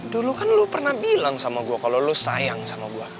dulu kan lu pernah bilang sama gua kalo lu sayang sama gua